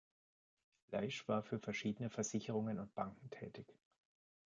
Laeisz war für verschiedene Versicherungen und Banken tätig.